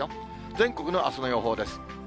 全国のあすの予報です。